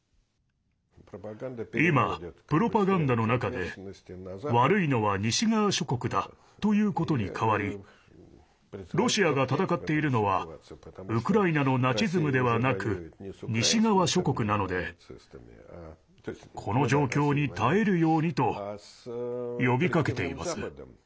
今、プロパガンダの中で悪いのは西側諸国だということに変わりロシアが戦っているのはウクライナのナチズムではなく西側諸国なのでこの状況に耐えるようにと呼びかけています。